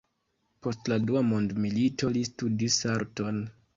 Post la dua mondmilito li studis arton.